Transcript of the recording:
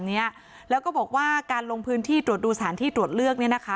เนี้ยแล้วก็บอกว่าการลงพื้นที่ตรวจดูสถานที่ตรวจเลือกเนี้ยนะคะ